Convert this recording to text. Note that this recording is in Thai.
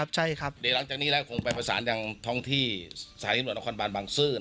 ใช่ครับใช่ครับ